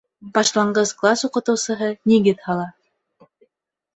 Башланғыс класс укытыусыһы нигеҙ һала